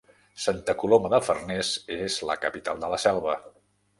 Santa Coloma de Farners és la capital de la Selva.